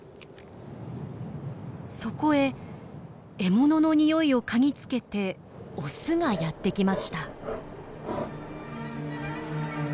そこへ獲物のにおいを嗅ぎつけてオスがやって来ました。